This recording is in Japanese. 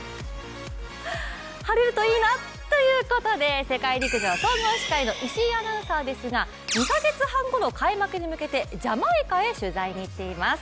晴れるといいなということで、世界陸上総合司会の石井アナウンサーですが２か月半後の開幕に向けてジャマイカへ取材に行っています。